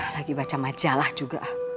lagi baca majalah juga